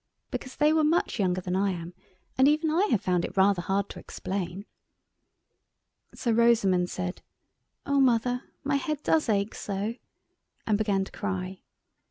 Because they were much younger than I am, and even I have found it rather hard to explain. So Rosamund said, "Oh, Mother, my head does ache so," and began to cry.